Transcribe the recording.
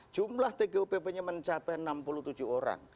jumlah tgupp nya mencapai enam puluh tujuh orang